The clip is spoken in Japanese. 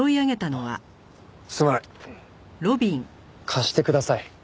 貸してください。